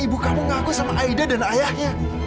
ibu kamu ngaku sama aida dan ayahnya